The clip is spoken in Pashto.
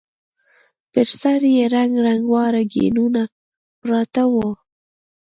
پر سر يې رنګ رنګ واړه ګېنونه پراته وو.